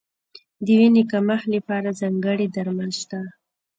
د وینې کمښت لپاره ځانګړي درمل شته.